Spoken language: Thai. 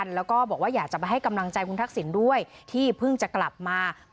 คุณสุลินบอกว่ามีความผูกพันกับคุณนักศิลป์ทำให้ดีใจมาก